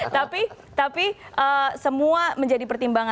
tapi tapi semua menjadi pertimbangan